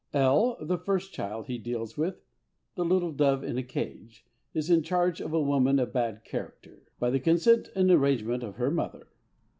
L., the first child he deals with, the little "dove in the cage," is in charge of a woman of bad character, by the consent and arrangement of her mother.